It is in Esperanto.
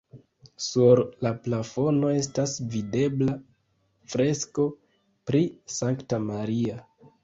Sur la plafono estas videbla fresko pri Sankta Maria.